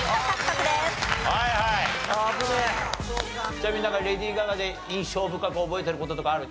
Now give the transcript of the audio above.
ちなみになんかレディー・ガガで印象深く覚えてる事とかある？